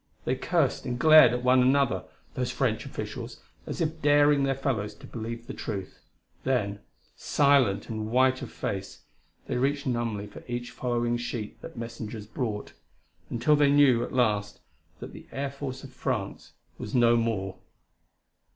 They cursed and glared at one another, those French officials, as if daring their fellows to believe the truth; then, silent and white of face, they reached numbly for each following sheet that messengers brought until they knew at last that the air force of France was no more....